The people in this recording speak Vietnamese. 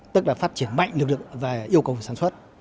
tức là phát triển mạnh lực lượng và yêu cầu về sản xuất